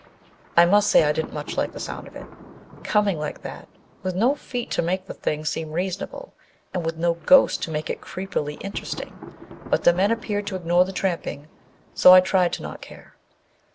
I must say I didn't much like the sound of it â coming like that, with no feet to make the thing seem reasonable, and with no ghost to make it creepily interesting, but the men appeared to ignore the tramping, so I tried to not care.